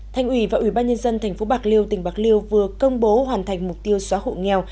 thành ủy và ủy ban nhân dân tp bạc liêu tỉnh bạc liêu vừa công bố hoàn thành mục tiêu xóa hộ nghèo